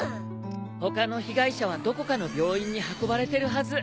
他の被害者はどこかの病院に運ばれてるはず。